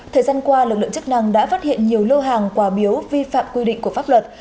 thời gian qua lực lượng chức năng đã phát hiện nhiều lô hàng quà biếu vi phạm quy định của pháp luật